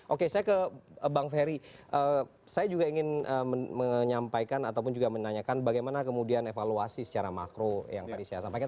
oke saya ke bang ferry saya juga ingin menyampaikan ataupun juga menanyakan bagaimana kemudian evaluasi secara makro yang tadi saya sampaikan